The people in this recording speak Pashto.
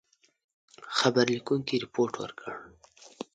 خبر لیکونکي رپوټ ورکړ.